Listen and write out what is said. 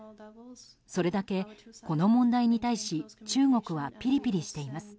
それだけ、この問題に対し中国はピリピリしています。